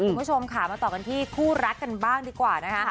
คุณผู้ชมค่ะมาต่อกันที่คู่รักกันบ้างดีกว่านะคะ